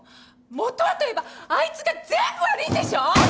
元はといえばあいつが全部悪いんでしょ！